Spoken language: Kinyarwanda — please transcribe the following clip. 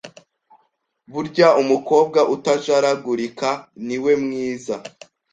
Burya umukobwa utajaragurika niwe mwiza